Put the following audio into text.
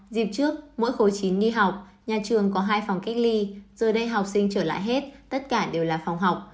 dịp trước mỗi khối chín nghi học nhà trường có hai phòng cách ly giờ đây học sinh trở lại hết tất cả đều là phòng học